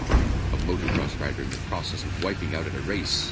A motocross rider in the process of wiping out at a race.